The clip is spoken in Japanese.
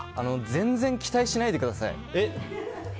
全然、期待しないでください。